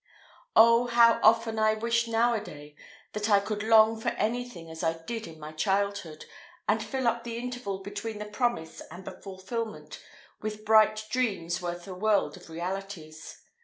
Oh, how often I wish now a day that I could long for anything as I did in my childhood, and fill up the interval between the promise and the fulfilment with bright dreams worth a world of realities.